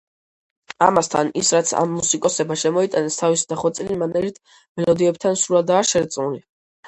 ამასთან ის რაც ამ მუსიკოსებმა შემოიტანეს თავისი დახვეწილი მანერით მელოდიებთან სრულადაა შერწყმული.